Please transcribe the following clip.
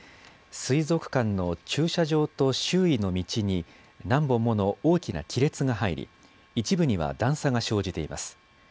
水族館の駐車場と周囲の道に何本もの大きな亀裂が入り、一部には段差が生じています。